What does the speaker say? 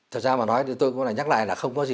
thật ra mà nói tôi cũng lại nhắc lại là không có gì